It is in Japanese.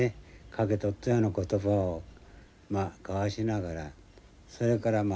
かけとったような言葉をまあ交わしながらそれから眠る。